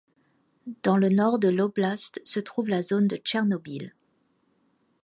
Dans le nord de l'oblast se trouve la zone de Tchernobyl.